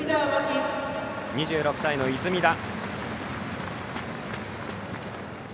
２６歳の出水田。